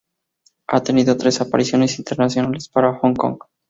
Ha tenido tres apariciones internacionales para Hong Kong.